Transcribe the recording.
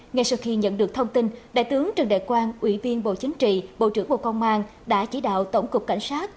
ngay sau khi nhận được thông tin đại tướng trần đại quang ủy viên bộ chính trị bộ trưởng bộ công an đã chỉ đạo tổng cục cảnh sát